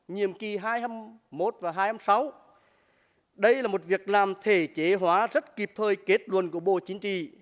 nhiệm kỳ hai nghìn hai mươi một và hai nghìn hai mươi sáu đây là một việc làm thể chế hóa rất kịp thời kết luận của bộ chính trị